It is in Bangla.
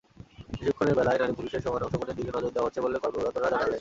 প্রশিক্ষণের বেলায় নারী-পুরুষের সমান অংশগ্রহণের দিকে নজর দেওয়া হচ্ছে বলে কর্মরতরা জানালেন।